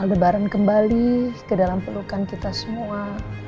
lebaran kembali ke dalam pelukan kita semua